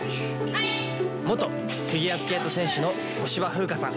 元フィギュアスケート選手の小芝風花さん。